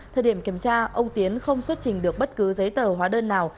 thời điểm kiểm tra ông tiến không xuất trình được bất cứ giấy tờ hóa đơn nào